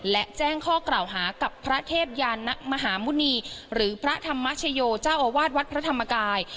และแจ้งข้อกล่าวหากับพระเทพยานมหาหมุณีหรือพระธรรมชโยเจ้าอาวาสวัดพระธรรมกาย